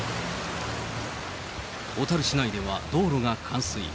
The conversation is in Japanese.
小樽市内では道路が冠水。